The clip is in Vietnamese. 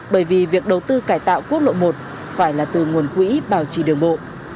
bởi vì việc đầu tư cải tạo quốc lộ một phải là từ nguồn quỹ bảo trì đường bộ